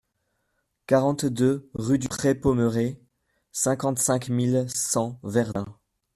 quarante-deux rue du Pré Pommeré, cinquante-cinq mille cent Verdun